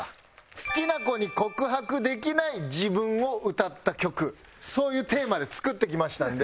「好きな子に告白できない自分」を歌った曲そういうテーマで作ってきましたんで。